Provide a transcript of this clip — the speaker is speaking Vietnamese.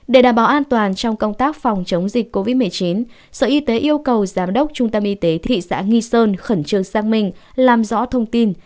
để đảm bảo an toàn trong công tác phòng chống dịch covid một mươi chín sở y tế yêu cầu giám đốc trung tâm y tế thị xã nghi sơn khẩn trương xác minh làm rõ thông tin